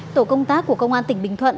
tổ công tác của công an tp bình thuận